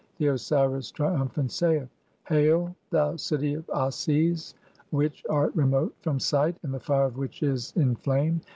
The Osiris Nu, triumphant, saith :— (2) "Hail, thou city of Ases, which art remote from sight, and "the fire of which is in flame.